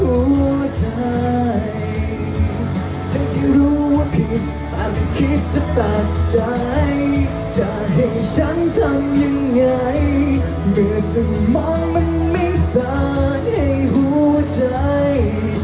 ยอมบันที่ระบายวันที่เธอเหงาใจแต่ที่ฉันนั้นยังไม่รู้และไม่ยอมเข้าใจ